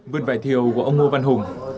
vườn vải thiều của ông ngô văn hùng